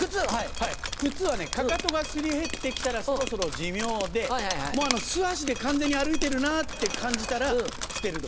靴はかかとがすり減ってきたらそろそろ寿命で素足で完全に歩いてるなって感じたら捨てる時。